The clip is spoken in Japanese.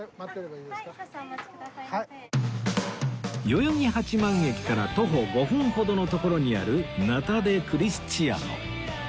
代々木八幡駅から徒歩５分ほどのところにあるナタデクリスチアノ